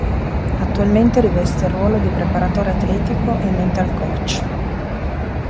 Attualmente riveste il ruolo di Preparatore Atletico e Mental Coach.